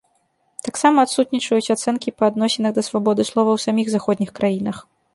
Таксама адсутнічаюць ацэнкі па адносінах да свабоды слова ў саміх заходніх краінах.